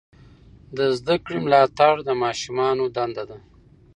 د زده کړې ملاتړ د ماشومانو دنده ده.